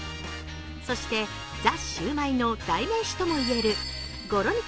そして、ザ★シュウマイの代名詞とも言えるゴロ